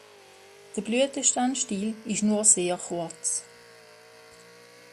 Der Blütenstandsstiel ist nur sehr kurz.